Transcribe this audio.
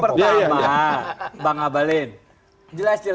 pertama bang abalin